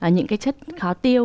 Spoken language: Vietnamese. những cái chất khó tiêu